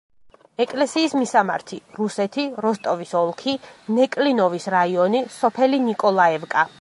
ეკლესიის მისამართი: რუსეთი, როსტოვის ოლქი, ნეკლინოვის რაიონი, სოფელი ნიკოლაევკა.